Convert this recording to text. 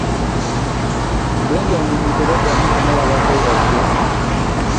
Benjamin tebaddamu kumulabako yadde.